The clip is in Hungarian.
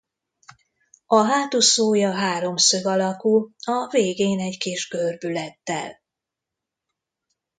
A hátúszója háromszög alakú a végén egy kis görbülettel.